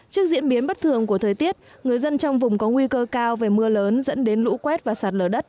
trước diễn biến bất thường của thời tiết người dân trong vùng có nguy cơ cao về mưa lớn dẫn đến lũ quét và sạt lở đất